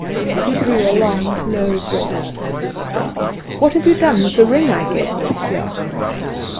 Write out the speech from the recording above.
She drew a long, low breath. "What have you done with the ring I gave you?" he said.